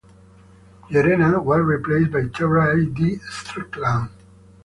Gerena was replaced by Terry A. D. Strickland.